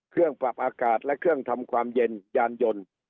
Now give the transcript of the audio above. เครื่องปรับอากาศและเครื่องทำความเย็นยานยนต์